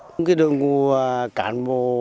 cái đội ngũ cán bộ